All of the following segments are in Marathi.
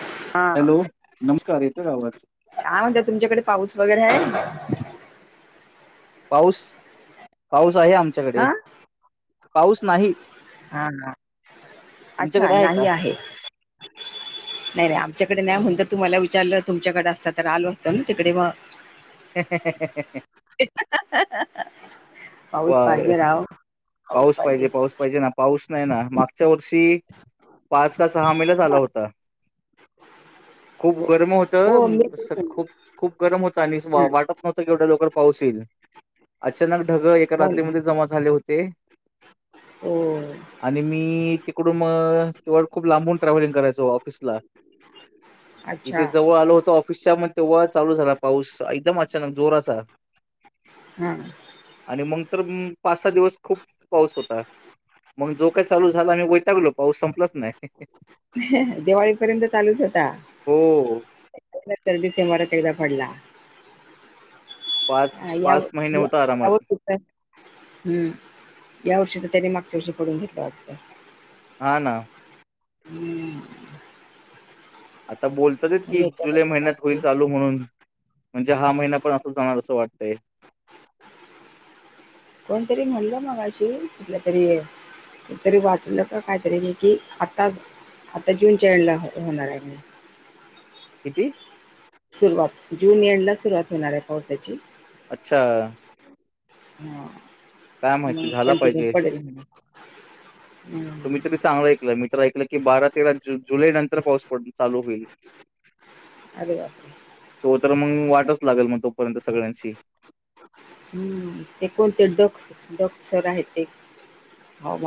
हा हॅलो नमस्कार येतोय का आवाज? काय म्हणत तुमच्याकडे पाऊस वगैरे आहे पाऊस, पाऊस आहे हा आमच्याकडे पाऊस नाही हा हा अच्छा तुमच्याकडे आहे नाही का नाही, नाही आमच्याकडे नाही म्हण तर तुम्हाला विचारलं तुमच्याकडे असत तर आलो असतं ना तिकडे मग पाऊस वा पाहिजे राव पाऊस पाहिजे, पाऊस पाहिजे ना पाऊस नाही ना मागच्या वर्षी पाच ला सहा महिलाच आला होता खूप हो गरम हो होतं मी खूप, खूप गरम होतं आणि हं, वाटत नव्हतं कवढ्या लवकर पाऊस येईल अचानक ढग एका हो ना रात्रीमध्ये जमा झाले होते हो आणि मी तिकडून तेव खूप लांबून ट्रॅव्हलिंग करायचो ऑफिसला अच्छा इथे जवळ आलो होत ऑफिसच्या मग तेव्हा चालू झाला पाऊस एकदम अचानक जोराचा हा आणि मग तर पाच सहा दिवस खूप पाऊस होता मग जो काही चालू झाला आम्ही वैतागलो पाऊस संपलाच नाही दिवाळीपर्यंत चालूच होता हो नंतर डिसेंबरात एकदा पडला पाच पाच महिने होता आरामात ह हम्म या वर्षीच त्यानी मागच्या वर्षी पडून घेतलं वाटतं हा ना हम्म आता बोलतात आणि की जुलै महिन्यात याच्या होईल चालू म्हणून म्हणजे हा महिना पण असा जाणार असं वाटतय कोणतरी म्हणलं मगाशी कुठल्या तरी आहे तरी वाचलं का काहीतरी मी की आताच आता जून च्या एंडला होणार आहे म्हणे दि सुरुवात जून एंडला सुरुवात होणार आहे पावसाची अच्छा हा काय माहिती मग झाला कंटिन्यू पडेल म्ह तु म्ही तरी सांगलं ऐकलं मी तर्र ऐकलं की बारा तेरा जून जुलै नंतर पाऊस पड चालू होईल अरे बापरे तो तर मग वा लागेल मग तोपर्यंत सगळ्यांशी ह ते कोणते डख डखसर आहे ते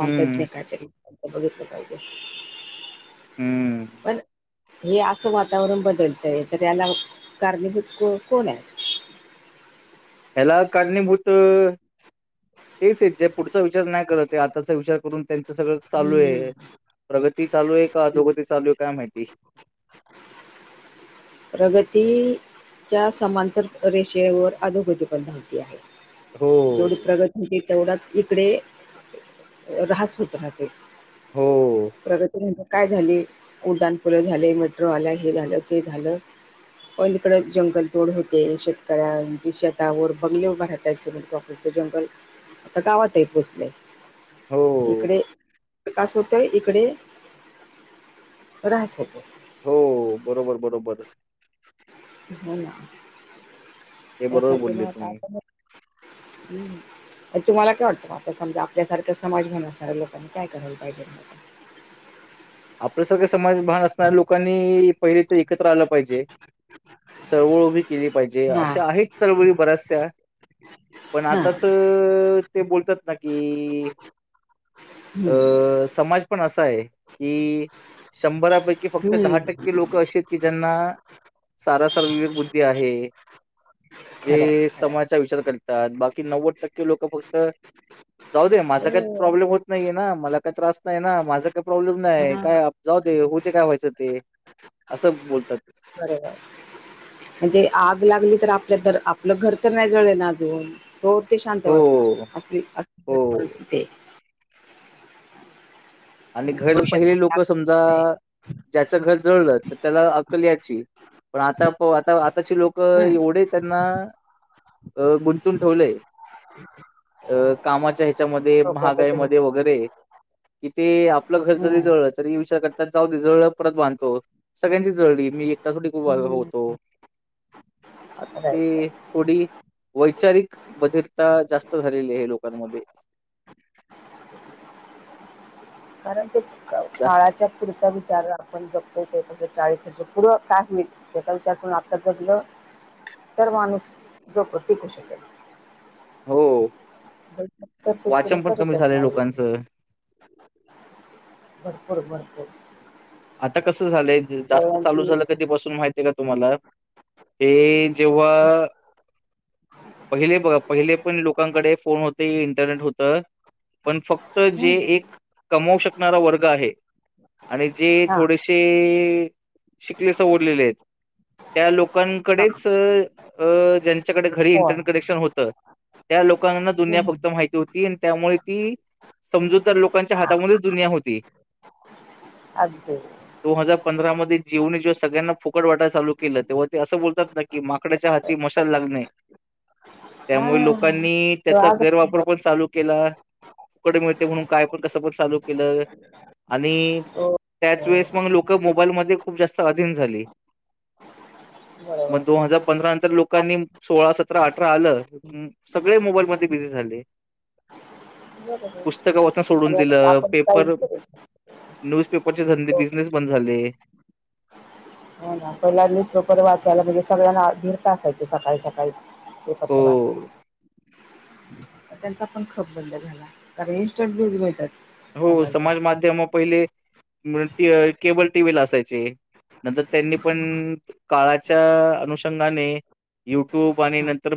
हम्म कायतरी बघितलं पाहिजे हम्म पण हे असं वातावरण बदलतय तर याला कारणीभूत कोण आहे याला कारणीभूत तेच आहेत जे पुढचा विचार नाही करत आताचा विचार करून त्यांचं सगळं चालू हम्म. आहे प्रगती चालू आहे का अ दोगती चालू आहे काय माहिती [inaudible] प्रगती च्या समांतर रेषेवर अधोगतिपन्ध होती आहे जेवढी हो. प्रगती होती तेवढाच इकडे राास होत राहत हो, प्रगती काय झाली उड्डाणपुलं झाले मेट्रो आला हे झालं ते झालं प इकड जंगल तोड होते शेतकऱ्यांचे शेतावर बंगले उभ राहत सोबत वापर जंगल आता गावात आहे पोचले हो, इकडे विकास होतोय इकडे राास होतो हो बरोबर बरोबर आहे हो हे बरोबर यासाठी बोलले मत तुम्ही. आपण हम् तुम्हाला काय वाटतं म आता समजा आपल्यासारखा समाज घेन असणाऱ्या लोकांनी काय करायला पाहिजे [inaudible] आपलं सारखं समाज भान असणाऱ्या लोकांनी पहिले तर एकत्र आलं पाहिजे चळवळ उभी केली पाहिजे हा अशा आहेत चळवळी बऱ्याचशा पण हा आताच ते बोलतात ना की हम्म अं समाज पण असा आहे कि शंभरापैकी फक्त दहा टक्के लोक हम्म असशी आहेत की ज्यांना सारासार विवेक बुद्धी आहे खरं जे खरं समाजचा विचार करतात बाकी नव्वद टक्के लोक फक्त जाऊ दे माझा काही हो प्रॉब्लेम होत नाहीे ना मला काही त्रास नाही ना माझं का प्रॉब्लेम नाही हा काय जाऊ ते होते काय व्हायचं ते असं बोलतात बरब म्हणजे आग लागली तर आपल्या आपलं घर तर नाही जळ ना अज तोर ते शांत हो बसना असली अस हो परिस्थिती आहे आणि आहे घर भविष्यात पहिले कोणती लोक समजा आग नाही ज्याचं घर जळलं तर त्याला अकल याची पण आता आता आताचे लोक हम्म. एवढे त्यांना अ गुंतून ठेवलंय [inaudible] अ कामाच्या ह्याच्यामध्ये लोकांबद्दल महागाईमध्ये वगैरे कि ते आपलं घर जरी हम्म. जळलं तरी विचार करतात जाऊ दे जळप परत बांधतो सगळ्यांची जळळी मी ो होतो आता राईट ते राईट थोडी व वैपचारिक बधिरता जास्त झालेली आहे लोकांमध्ये [inaudible] कारण ते जास्त काळाच्या पुढचा विचार आपण जपतो ते चाळीस रुपये पुूरं काय होईल त्याचा विचार करून आत्ताच कलं तर माणूस जोपत टिकू शकेल हो तर तू कुणी वाचन पण कमी करतच झालंय नाहीये लोकांचं भरपूर भरपूर आता कसं झालंय जास्त चालू सगळ्यांची झालं कधी बसून माहितीय का तुम्हाला हे जेव्हा पहिले पहिले पण लोकांकडे फोन होते इंटरनेट होतं पण फक्त जे हम्म. एक कमवू शकणारा वर्ग आहे आणि जे हा थोडेसे त्या हा लोकांकडे च्याकडे घरी हो इंटरनेट कनेक्शन होतं त्या लोकांना दुनिया फक्त हा माहिती होती त्यामुळे ती समजू तर लोकांच्या हातामध्येच दुनिया होती अदी पंधरामध्येध्ये जीवनी जेव्हा सगळ्यांना फुकट वाटाय चालू केलं तेव्हा ते असं बोलतात ना की माकड्याच्या हाती मशाल लागणे हा त्यामुळे लोकांनी त्याचा राग गैरवापर असतो. पण चालू केला तुकड मिळते म्हणून काय पण कसं पण चालू केलं आणि हो, हो. त्याचवेेळेस मग लोक मोबाईलमध्ये खूप जास्त अधीन झाली बरोबर मग दोन हजार पंधरा नंतर लोकांनी सोळा सतरा अठरा आलं सगळे मोबाईल म बिझी झाले बरोबर पुस्तकवचन सोडून आणि आता दिलं आपण काही पेपर विचारू शकतो. न्यूजपेपरचे धंदे बिझनेस बंद झाले हो पहिला न्यूसपेपर वाचायला म्हणजे सगळ्यांनाधीरता असायची सकाळी सकाळी एक हो अचा बाात नाही तर त्यांचा पण खप बंद झाला कारण इन्स्टंट व्ह्यूज मिळतात हो मोबाईलवर समाज माध्यम पहिले केबल टीव्ही ला असायचे नंतर त्यांनी पण काळाच्या अनुषंगाने युट्यूब आणि हा नंतर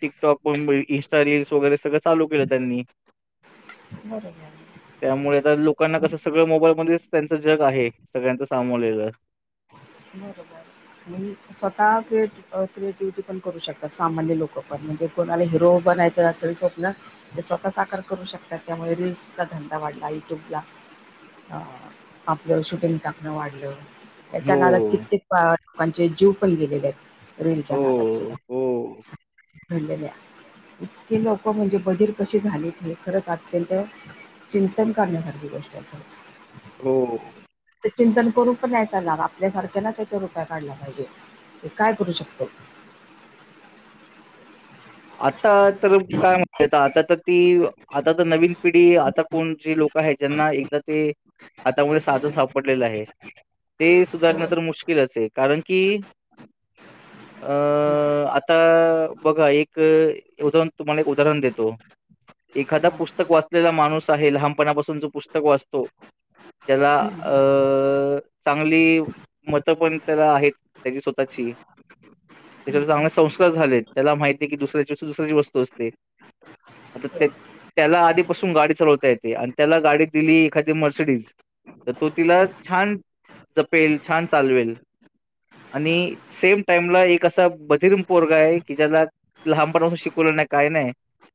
टिकटॉकण इंस्टा रीलल्स वगैरे सगळं चालू केलं त्यांनी [inaudible] बरोबर त्यामुळे आता लोकांना कसं सगळं मोबाईलमध्येच त्यांचं जग आहे सगळ्यांच सामोरलेलं [inaudible] बरोबर स्वतः क्रिएट क्रिएटिव्हिटी पण करू शकतात सामान्य लोक पण म्हणजे कोणाला हिरो बनायचं स्व स्वतः साकार करू शकतात त्यामुळे रीलसचा धंदा वाढला युट्यूबला अ आपलं सुटंग टाकणं वाढलं याच्या हो, नाळत कित्येक लोकांचे जीव पण गेलेले आहेत रेलच्या हो, नाळात अच्छ हो, का इतके लोक म्हणजे बधर कसे झालीत हे खरंच अत्यंत चिंतन करण्यासारखी गोष्ट आहे खच हो चिंतन करून पण यायचा लाग आपल्यासारख्याला त्याच्या रुपय काढला ते काय करू शकतो आता तर काय म्ह आता तर ती आता तर नवीन पिढी आता कोण जे लोक आहे ज्यांना एकदा ते हातामुळे साधन सापडलेलं आहे ते सुधारण तर मुश्किलचे कारण की अं आता बघा एक ए तुम्हाला एक उदाहरण देतो एखादा हां पुस्तक वाचलेला माणूस आहे लहानपणापासून जो पुस्तक वाचतो त्याला येस अ चांगली मत पण त्याला आहेत त्याची स्वतः त्याच्या चांगले संस्कार झाले त्याला माहित दुसऱ्याची दुसऱ्याची वस्तू असते आता ते येस त्याला आधीपासून गाडी चालवता येते आणि त्याला गाडी दिली एखादी मर्सिडीज तर तो तिला छान जपेल छान चालवेल आणि सेम टाइमला एक असा बधिरम पोरगा आहे की ज्याला लहानपणापासून शिकवलं नाही काही नाही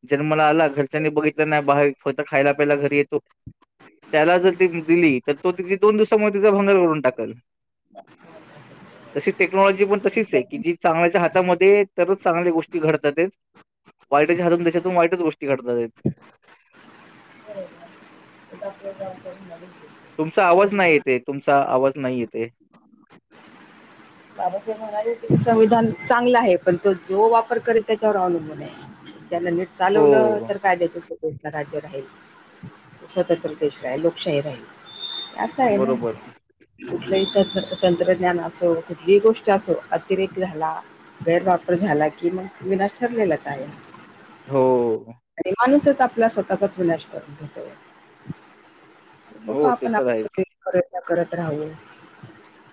जन्मला आला घरच्यांनी बघितलं नाही बाहे फत खायला प्यायला घरी येतो त्याला जर हम्म. ती दिली तर तो ति दोन दिवसामध्ये तिचा भंगार करून टाकल तशी टेक्नॉलॉजी पण तशीच आहे की जी चांगल्याच्या हातामध्ये तरच चांगल्या गोष्टी ष्ट घडतात वाईटच्या हातून त्याच्यातून वाईटच गोष्टी घडतात जा तुमचा आवाज नाही येते तुमचा आवाज नाही येते बाबासाहेब म्हणाले क संविधान चांगलं आहे पण तो जो वापर करेल त्याच्यावर अवलंबून आहे त्याना नीट चालवलं हो तर काय द्याच राज्य राहील स्वतंत्र देश राहील लोकशाही राहील बरोबर त तंत्रज्ञान असो कुठलीही गोष्ट असो अतिरेक झाला गैरवापर झाला की मग विनाश ठरलेलाच आहे हो आणि माणूसच आपला स्वतःचा विनश करून घेतोय बघ हो ते आपण तर आहेच करत राहू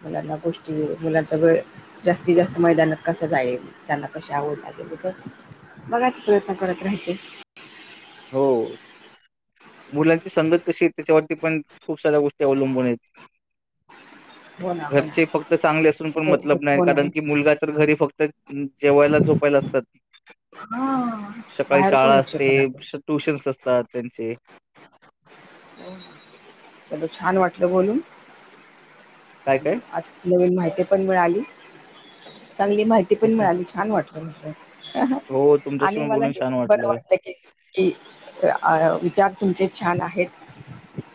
मुलांना गोष्टी मुलांचा वेळ जास्तीत जास्त मैदानात कस जाईल त्यांना कशी आवड बघा ते प्रयत्न करत राहाय हो मुलांची संगत कशी आहे त्याच्यावरती पण खूप साऱ्या गोष्टी अवलंबून आहेत हो ना हो घरचे ना फक्त चांगले असून पण ते मतलब नाही फोन आहे कारण की मुलगा तर घरी फक्त जेवायला झोपायला असतात हा सकाळी बाहेर कोण शाळा लक्ष असते ठेवणार ट्यूशन्स असतात त्यांचे चल छान वाटलं बोलून काय काय? आ नवीन माहिती पण मिळाली चांगली माहिती पण मिळाली छान वाटलं म हो तुमच्याशी आणि मला बोलून हे छान पण बरं वाटलं वाटत कीि विचार तुमचे छान आहेत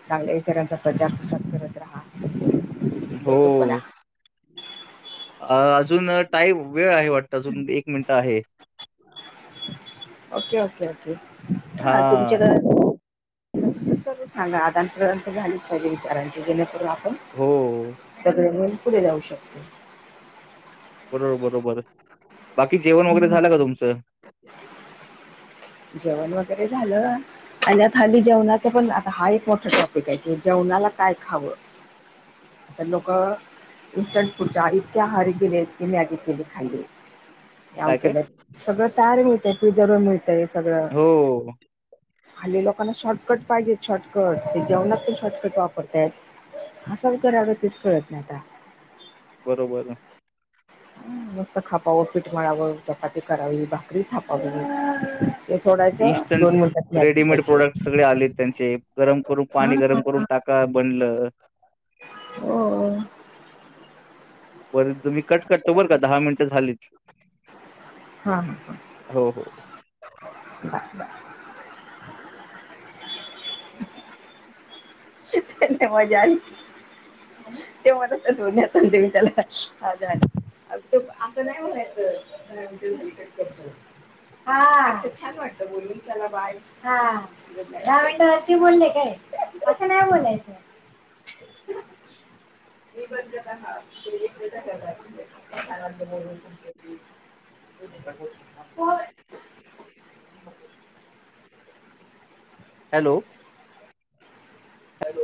चांगल्या विचारांचा प्रचार प्रसार करत रहा हो अजून टाईम वेळ आहे वाटत अजून एक मिनिटं आहे ओके ओके ओके हा तुमच्या घरात सांग आदान प्रदान तर झालीच पहिले विचारांची जेणेपू हो सगळे मिून पुढे जाऊ शकते बरोबर बरोबर बाकी जेवण वगैरे ह झालं का तुमचं जेवण वगैरे झालं आणि आता हल्ली जेवणाच पण आता हा एक मोठा टॉपिक आहे की जेवणाला काय खावं त्या लोक इंस्टंट पुढच्या इतक्या हाहारी गेले इतक मॅगी केली खायले या काय काय? केलं सगळं तयार मिळतय प्रिझव मिळतय सगळं हो [inaudible] असं व करा आव तेच कळत नाही आता [inaudible] बरोबर ह मस्त खापावं पीठ मळावं चपाती करावी भाकरी थापावी ते सोडायचं दोन इन्स्टंट मिनिटात मॅगी रेडीमेड खायची. प्रोडक्ट सगळे आले त्यांचे गरम करून पाणी गरम करून टाका बनलं हो हो बर तुम्ही कट करतो बरं का दहा मिनटं झालीत... हा हा.. हो हो [inaudible] त्यांना मजा आली... तेव्हा दोन्या सांते म त्याला आजार... त असं नाही म्हणायचं करत... हा छान वाटत बोलुन त्याला बा ह दहा मिनट ते बोलले काय... असं नाही बोलायचं.. [inaudible] मी ब का छान वाटल बोलुन.. होय... हॅलो... हॅलो